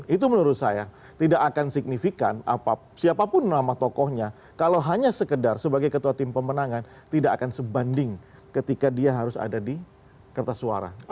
itu menurut saya tidak akan signifikan siapapun nama tokohnya kalau hanya sekedar sebagai ketua tim pemenangan tidak akan sebanding ketika dia harus ada di kertas suara